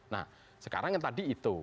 nah sekarang yang tadi itu